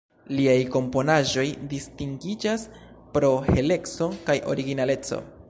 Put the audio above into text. Liaj komponaĵoj distingiĝas pro heleco kaj originaleco.